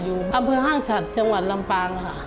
อำเภอห้างฉัดจังหวัดลำปางค่ะ